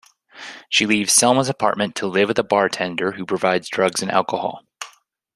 She leaves Selma's apartment to live with a bartender who provides drugs and alcohol.